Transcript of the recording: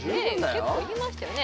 結構言いましたよね